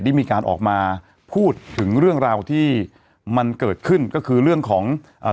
ได้มีการออกมาพูดถึงเรื่องราวที่มันเกิดขึ้นก็คือเรื่องของอ่า